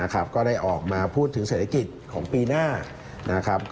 ก็ได้ออกมาพูดถึงเศรษฐกิจของปีหน้านะครับ